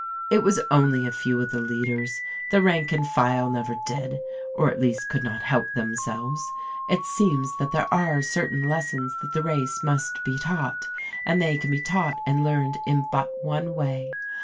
"It was only a few of the lead ers; the rank and file never did, or at least could not help themselves. It seems that there are certain lessons that the race must be taught, and they can be taught and learned in but one way.